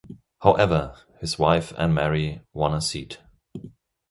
However, his wife Anne-Marie won a seat.